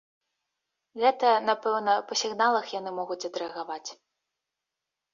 Гэта, напэўна, па сігналах яны могуць адрэагаваць.